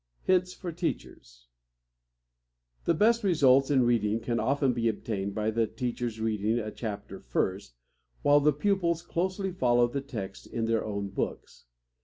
HINTS FOR TEACHERS. The best results in reading can often be obtained by the teacher's reading a chapter first, while the pupils closely follow the text in their own books.